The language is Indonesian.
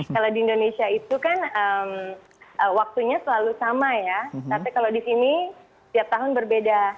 kalau di indonesia itu kan waktunya selalu sama ya tapi kalau di sini tiap tahun berbeda